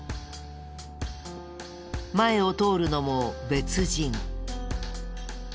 前を通るのも別人。